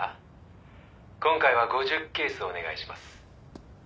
「今回は５０ケースお願いします」